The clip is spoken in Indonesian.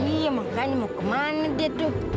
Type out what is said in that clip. iya makanya mau ke mana dia tuh